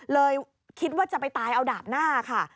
เลยคิดว่าจะไปตายเอาดาบหน้าค่ะ